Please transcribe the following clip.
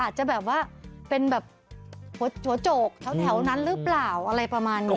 จะแบบว่าเป็นแบบหัวโจกแถวนั้นหรือเปล่าอะไรประมาณนี้